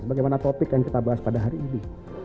bagaimana topik yang kita bahas pada hari ini